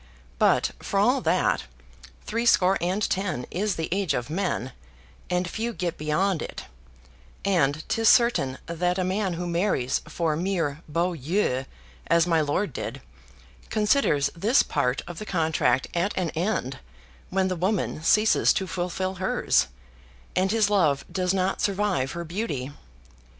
But, for all that, threescore and ten is the age of men, and few get beyond it; and 'tis certain that a man who marries for mere beaux yeux, as my lord did, considers this part of the contract at an end when the woman ceases to fulfil hers, and his love does not survive her beauty.